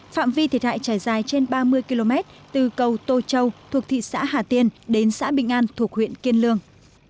phạm vi thiệt hại trải dài trên ba mươi km từ cầu tô châu thuộc thị xã hà tiên đến xã bình an thuộc huyện kiên lương